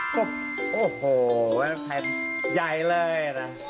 ปุ๊บโอ้โฮไผ่ใหญ่เลยนะ